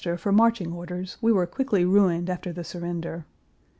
Page 388 for marching orders we were quickly ruined after the surrender.